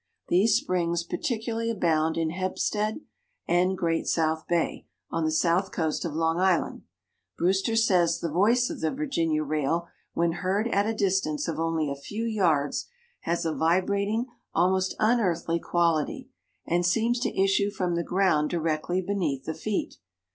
These springs particularly abound in Hempstead and Great South Bay on the south coast of Long Island. Brewster says the voice of the Virginia rail, when heard at a distance of only a few yards, has a vibrating, almost unearthly quality, and seems to issue from the ground directly beneath the feet.